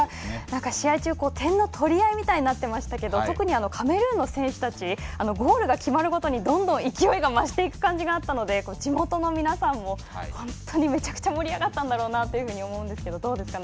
何か試合中、点の取り合いみたいになってましたけど特に、カメルーンの選手たちゴールが決まるごとにどんどん勢いが増していく感じがあったので地元の皆さんも本当に、めちゃくちゃ盛り上がったんだろうなと思うんですけどどうですか？